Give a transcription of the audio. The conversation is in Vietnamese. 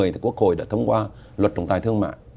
thì quốc hội đã thông qua luật trọng tài thương mại